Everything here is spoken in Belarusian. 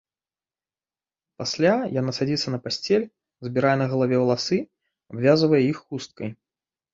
Пасля яна садзіцца на пасцель, збірае на галаве валасы, абвязвае іх хусткай.